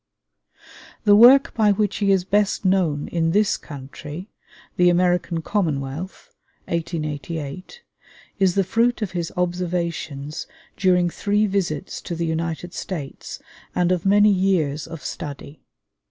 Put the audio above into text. The work by which he is best known in this country, the 'American Commonwealth' (1888), is the fruit of his observations during three visits to the United States, and of many years of study.